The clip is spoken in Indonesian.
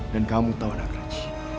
dan kamu tahu nagraj